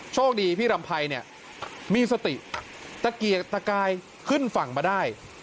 โชคดีพี่รำไพรเนี่ยมีสติตะเกียกตะกายขึ้นฝั่งมาได้